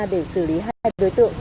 để xử lý hai đối tượng